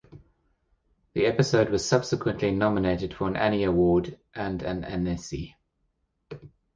The episode was subsequently nominated for an Annie Award and at Annecy.